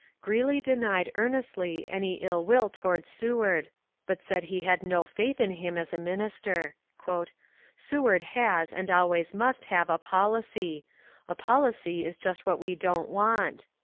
Greeley denied earnestly any ill will toward Seward, but said he had no faith in him as a minister. "Seward has and always must have a policy ; a policy is just what we don't want.